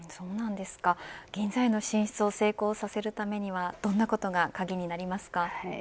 銀座への進出を成功させるためにはどんなことが鍵になりますか。